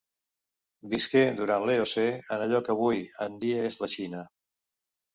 Visqué durant l'Eocè en allò que avui en dia és la Xina.